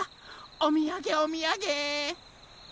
おみやげおみやげ！